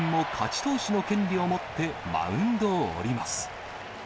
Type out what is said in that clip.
投手の権利を持ってマウンドを降ります。